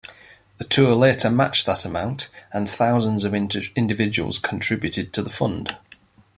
The Tour later matched that amount, and thousands of individuals contributed to the fund.